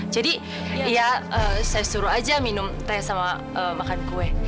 jadi ya saya suruh aja minum teh sama makan kue